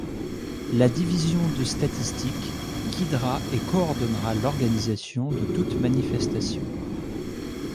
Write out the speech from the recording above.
La Division de statistique guidera et coordonnera l’organisation de toute manifestation.